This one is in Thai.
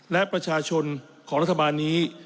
และประชาชนของรัฐบาลนี้